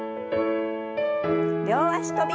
両脚跳び。